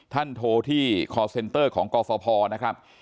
ท่านโทรที่คอร์สเซนเตอร์ของกรภพนะครับ